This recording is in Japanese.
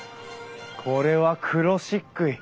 これは黒漆喰！